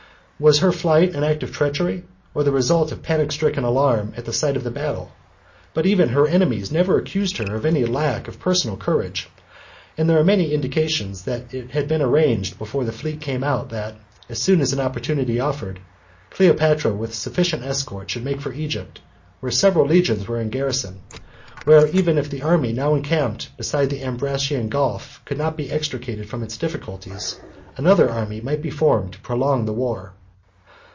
Was her flight an act of treachery, or the result of panic stricken alarm at the sight of the battle? But even her enemies never accused her of any lack of personal courage, and there are many indications that it had been arranged before the fleet came out, that, as soon as an opportunity offered, Cleopatra with a sufficient escort should make for Egypt, where several legions were in garrison, and where even if the army now camped beside the Ambracian Gulf could not be extricated from its difficulties, another army might be formed to prolong the war.